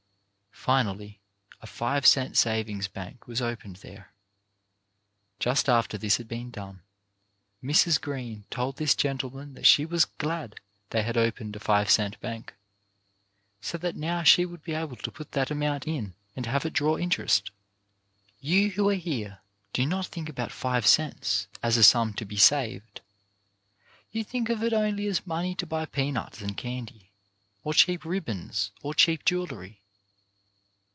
Finally a five cent savings bank was opened there. Just after this had been done, Mrs. Green told this gentleman that she was glad they had opened a five cent bank, so that now she would be able to put that amount in and have it draw interest. You who are here do not think about five cents as a sum to be saved. You think of it only as money to buy peanuts and candy, or cheap ribbons, or cheap jewellery.